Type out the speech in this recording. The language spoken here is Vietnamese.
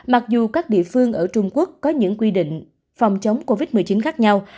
mặc dù các địa phương ở trung quốc có những quy định phòng chống covid một mươi chín khác nhau